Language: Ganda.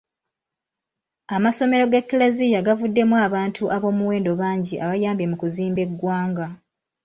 Amasomero g'Eklezia gavuddemu abantu ab'omuwendo bangi abayambye mu kuzimba eggwanga.